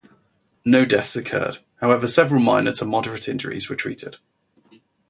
No deaths occurred, however several minor to moderate injuries were treated.